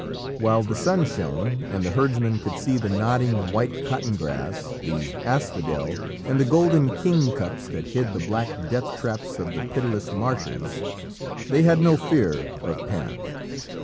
While the sun shone and the herdsmen could see the nodding white cotton grass, the asphodel, and the golden kingcups that hid the black death traps of the pitiless marshes, they had no fear of Pan.